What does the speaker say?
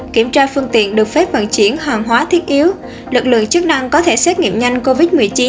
kiểm tra phương tiện được phép vận chuyển hàng hóa thiết yếu lực lượng chức năng có thể xét nghiệm nhanh covid một mươi chín